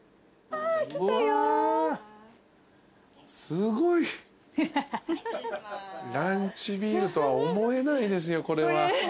すごい！ランチビールとは思えないですよこれは。